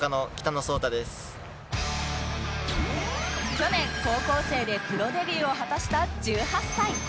去年高校生でプロデビューを果たした１８歳